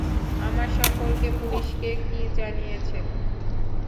আমার সম্পর্কে পুলিশকে কি জানিয়েছেন?